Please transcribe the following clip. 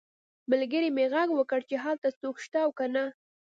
ملګري مې غږ وکړ چې هلته څوک شته او که نه